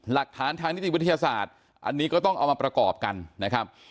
หลักฐานทางนิติวิทยาศาสตร์อันนี้ก็ต้องเอามาประกอบกันนะครับ